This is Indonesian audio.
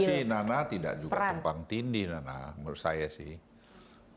iya sebenarnya sih nana tidak juga tumpang tindih nana menurut saya sih